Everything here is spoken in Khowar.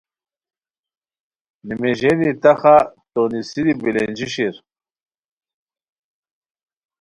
نمیژینی نخا تونیسیری بیلنجی شیر